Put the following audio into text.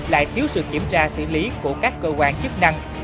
lại thiếu sự kiểm tra xử lý của các cơ quan chức năng